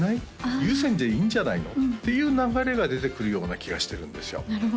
有線でいいんじゃないのっていう流れが出てくるような気がしてるんですよ